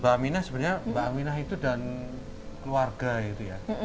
mbak aminah sebenarnya mbak aminah itu dan keluarga gitu ya